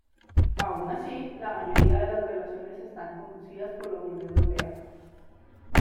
Aun así, la mayoría de las relaciones están conducidas por la Unión Europea.